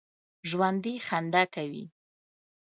ژوندي خندا کوي